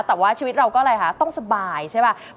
แต่ว่าชีวิตเราก็อะไรคะต้องสบายใช่ป่ะ